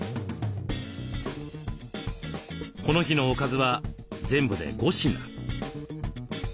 この日のおかずは全部で５品。